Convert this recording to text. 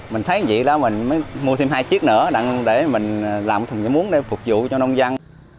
mình thấy như vậy đó mình mới mua thêm hai chiếc nữa để mình làm thêm giảm uống để phục vụ cho nông dân